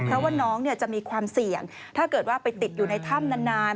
เพราะว่าน้องจะมีความเสี่ยงถ้าเกิดว่าไปติดอยู่ในถ้ำนาน